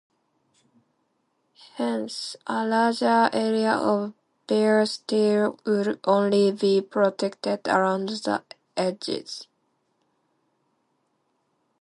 Hence, a larger area of bare steel would only be protected around the edges.